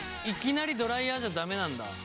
いきなりドライヤーじゃ駄目なんだ。